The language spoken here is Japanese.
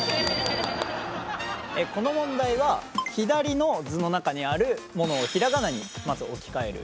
この問題は左の図の中にあるものを平仮名にまず置き換える。